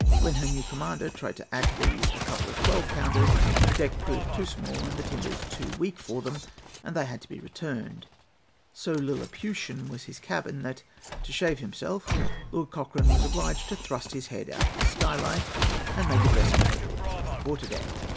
When her new commander tried to add to these a couple of 12 pounders, the deck proved too small and the timbers too weak for them, and they had to be returned. So Lilliputian was his cabin, that, to shave himself, Lord Cochrane was obliged to thrust his head out of the skylight and make a dressing table of the quarter deck.